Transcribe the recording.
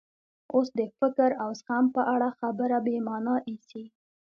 اوس د فکر او زغم په اړه خبره بې مانا ایسي.